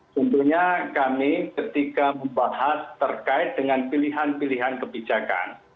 tentunya kami ketika membahas terkait dengan pilihan pilihan kebijakan